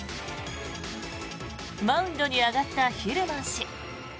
マウンドに上がったヒルマン氏。